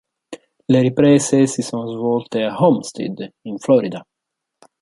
Le riprese si sono svolte a Homestead, in Florida.